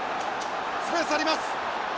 スペースあります。